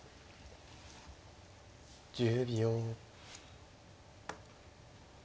１０秒。